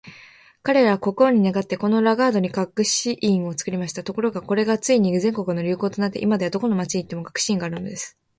彼等は国王に願って、このラガードに学士院を作りました。ところが、これがついに全国の流行となって、今では、どこの町に行っても学士院があるのです。